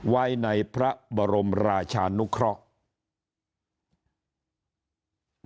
ไว้ในพระบรมราชานุเคราะห์